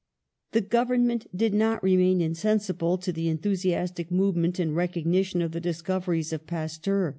The Government did not remain insensible to the enthusiastic movement in recognition of the discoveries of Pasteur.